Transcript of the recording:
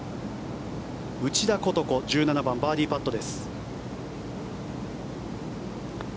内田ことこ、１７番バーディーパットです。